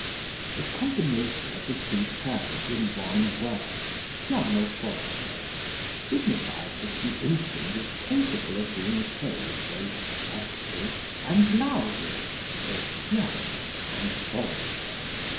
The combination of the two terms in one word, pianoforte, signifies that the instrument is capable of being played both softly and loudly both piano and forte.